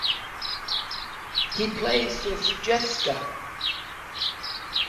He plays for Sutjeska.